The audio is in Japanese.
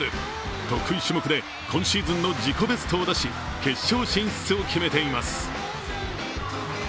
得意種目で今シーズンの自己ベストを出し決勝進出を決めています。